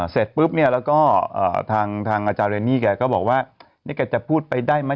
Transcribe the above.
เสร็จปุ๊บเนี่ยแล้วก็ทางอาจารย์เรนนี่แกก็บอกว่านี่แกจะพูดไปได้ไหม